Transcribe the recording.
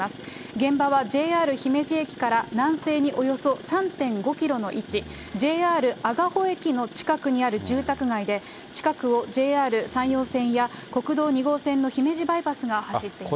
現場はＪＲ姫路駅から南西におよそ３．５キロの位置、ＪＲ英賀保駅の近くにある住宅街で、近くをＪＲ山陽線や、国道２号線の姫路バイパスが走っています。